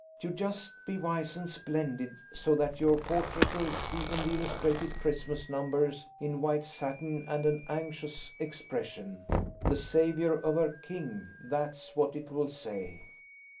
You just be wise and splendid, so that your portrait'll be in the illustrated Christmas numbers in white satin and an anxious expression. 'The saviour of her King'–that's what it'll say."